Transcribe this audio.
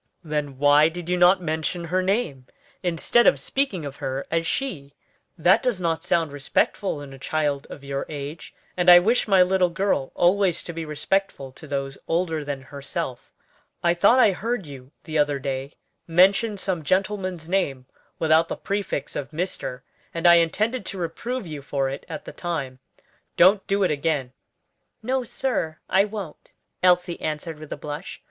"Then why did you not mention her name, instead of speaking of her as she? That does not sound respectful in a child of your age, and I wish my little girl always to be respectful to those older than herself. I thought I heard you the other day mention some gentleman's name without the prefix of Mr., and I intended to reprove you for it at the time. Don't do it again." "No, sir, I won't," Elsie answered with a blush.